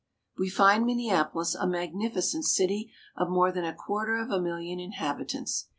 We find Minneapolis a magnificent city of more than a quarter of a million inhabitants.